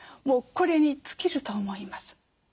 もうこれに尽きると思います。